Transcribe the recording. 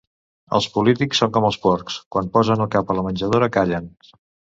Els polítics són com els porcs: quan posen el cap a la menjadora callen.